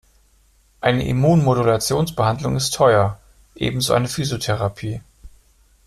Eine Immunmodulationsbehandlung ist teuer, ebenso eine Physiotherapie.